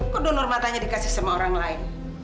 kok donor matanya dikasih sama orang lain